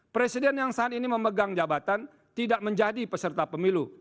presiden yang saat ini memegang jabatan tidak menjadi peserta pemilu